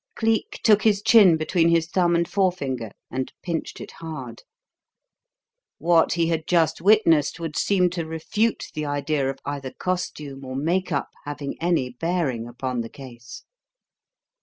Cleek took his chin between his thumb and forefinger and pinched it hard. What he had just witnessed would seem to refute the idea of either costume or make up having any bearing upon the case.